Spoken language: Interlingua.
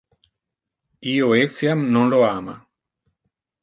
Io etiam non lo ama.